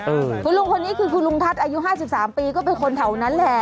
เออคุณลุงคนนี้คือคุณลุงทัศน์อายุ๕๓ปีก็เป็นคนเถานั้นแหละ